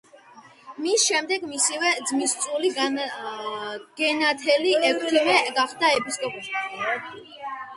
მის შემდეგ მისივე ძმისწული გენათელი ექვთიმე გახდა ეპისკოპოსი.